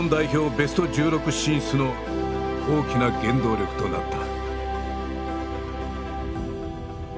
ベスト１６進出の大きな原動力となった。